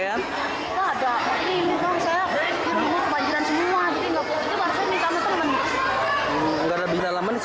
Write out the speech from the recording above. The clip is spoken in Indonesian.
intrinsiknya notifikasi suaranya ter decks